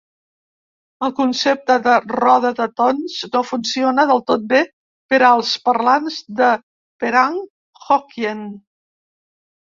El concepte de "roda de tons" no funciona del tot bé per als parlants de penang hokkien.